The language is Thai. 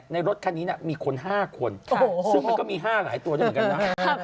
รถคันนี้มีคน๕คนซึ่งมันก็มี๕หลายตัวด้วยเหมือนกันนะ